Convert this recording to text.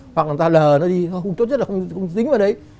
hoặc là người ta lờ nó đi chút chút là không dính vào đấy